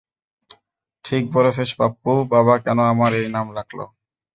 ঠিক বলেছিস পাপ্পু, বাবা কেন আমার এই নাম রাখলো?